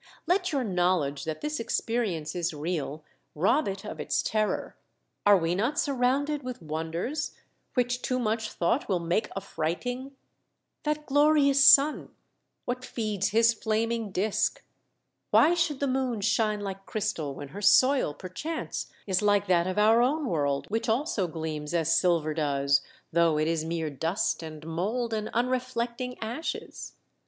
Let your knowledge that this experience is real rob it of its terror. Are we not surrounded with wonders which too much thought will make affrighting ? That glorious sun ; what feeds his flaming disc ? Why should the moon shine like crystal when her soil perchance is like that of our own world, which also gleams as silver does though it is mere dust and mould and unreflecting ashes ?